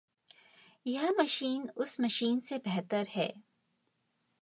यह मशीन उस मशीन से बेहतर है।